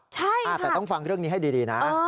แต่ต้องฟังเรื่องนี้ให้ดีนะ